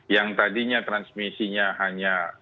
yang tadinya transmisinya hanya